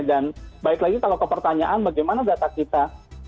dan balik lagi kalau kepertanyaan bagaimana data kita